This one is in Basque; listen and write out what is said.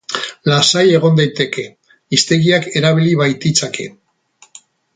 Lasai egon daiteke, hiztegiak erabil baititzake.